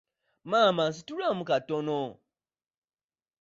Maama nsitulaamu katono.